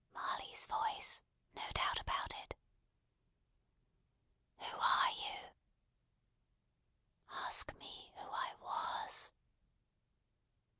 Marley's voice, no doubt about it. "Who are you?" "Ask me who I was."